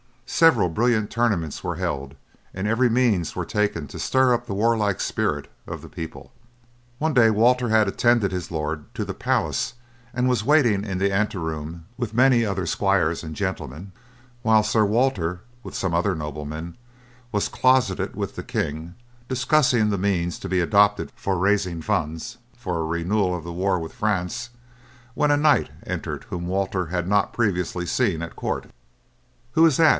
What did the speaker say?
Several brilliant tournaments were held and every means were taken to stir up the warlike spirit of the people. One day Walter had attended his lord to the palace and was waiting in the anteroom with many other squires and gentlemen, while Sir Walter, with some other noblemen, was closeted with the king, discussing the means to be adopted for raising funds for a renewal of a war with France, when a knight entered whom Walter had not previously seen at court. "Who is that?"